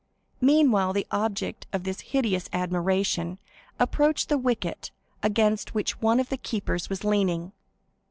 Meanwhile the object of this hideous admiration approached the wicket, against which one of the keepers was leaning.